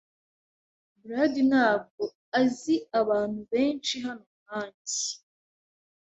Brad ntabwo azi abantu benshi hano nkanjye.